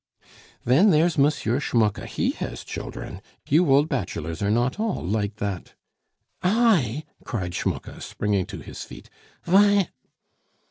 "Then there's M. Schmucke, he has children. You old bachelors are not all like that " "I!" cried Schmucke, springing to his feet, "vy!